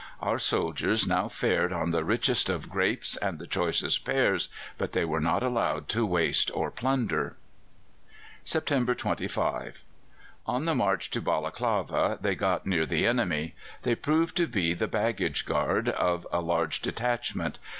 Our soldiers now fared on the richest of grapes and the choicest pears, but they were not allowed to waste or plunder. September 25. On the march to Balaklava they got near the enemy. They proved to be the baggage guard of a large detachment.